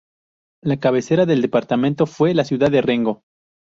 La cabecera del departamento fue la ciudad de Rengo.